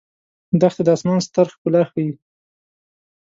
دښته د آسمان ستر ښکلا ښيي.